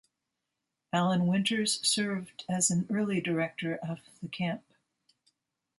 Alan Winters served as an early director of the camp.